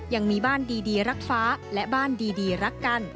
ยังมีบ้านดีรักฟ้าและบ้านดีรักกัน